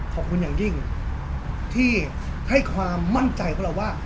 ขอบคุณอย่างยิ่งที่ให้ความมั่นใจของเราว่า